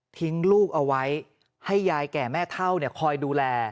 ทิ้งลูกเอาไว้ให้ยายแก่แม่เท่าคอยดูแล